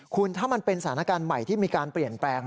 คุณถ้ามันเป็นสถานการณ์ใหม่ที่มีการเปลี่ยนแปลง